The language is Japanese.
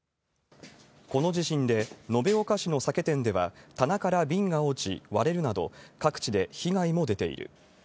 この地震で、延岡市の酒店では棚から瓶が落ち割れるなど、各地で被害も出ている。